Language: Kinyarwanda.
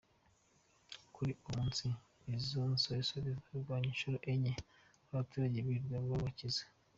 Kuri uwo munsi, izo nsoresore zarwanye incuro enye abaturage birirwa babakiza.